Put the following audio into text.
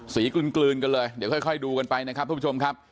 กลืนกันเลยเดี๋ยวค่อยดูกันไปนะครับทุกผู้ชมครับ